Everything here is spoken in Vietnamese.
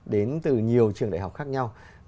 đến từ nhiều trường đại học khác nhau